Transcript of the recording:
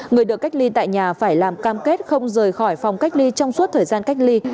người được cách ly tại nhà phải làm cam kết không rời khỏi phòng cách ly trong suốt thời gian cách ly